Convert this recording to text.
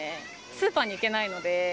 スーパーに行けないので。